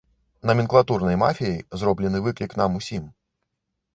Наменклатурнай мафіяй зроблены выклік нам усім.